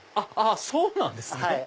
そうなんですね！